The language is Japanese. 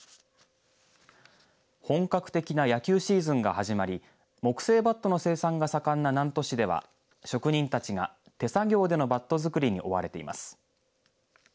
本格的な野球シーズンが始まり木製バットの生産が盛んな南砺市では職人たちが手作業でのバットづくりに追われています。